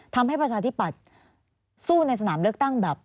ทำให้ประชาธิบดสู้ในสนามเลิกตั้ง